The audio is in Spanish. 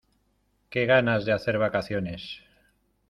Qué ganas de hacer vacaciones.